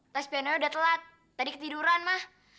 tes pianonya udah telat tadi ketiduran ma